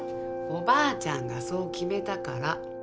おばあちゃんがそう決めたから。